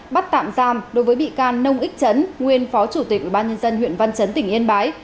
bắt tạm giam đối với bị can nông ích trấn nguyên phó chủ tịch ban nhân dân huyện văn chấn tỉnh yên bái